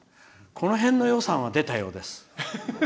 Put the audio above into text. この辺の予算は出たようです。